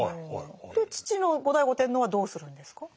父の後醍醐天皇はどうするんですか？